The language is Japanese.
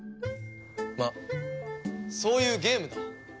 まあそういうゲームだ。